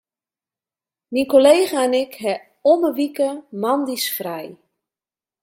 Myn kollega en ik hawwe om 'e wike moandeis frij.